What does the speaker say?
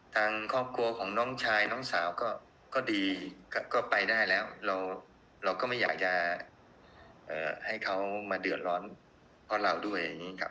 ทางครอบครัวของน้องชายน้องสาวก็ดีก็ไปได้แล้วเราก็ไม่อยากจะให้เขามาเดือดร้อนเพราะเราด้วยอย่างนี้ครับ